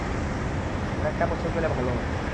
আরেকটা বছর পেলে ভালো হত।